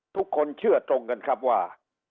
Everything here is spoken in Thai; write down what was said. ทุกคนเชื่อตรงกันครับว่า